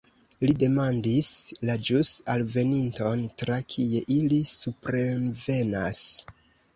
Li demandis la ĵus alveninton: "Tra kie ili suprenvenas?"